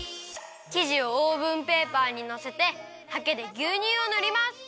きじをオーブンペーパーにのせてはけでぎゅうにゅうをぬります！